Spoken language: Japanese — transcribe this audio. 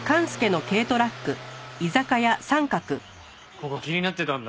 ここ気になってたんだ。